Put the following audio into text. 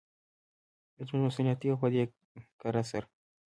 زموږ مسوليت دى او په دې کار سره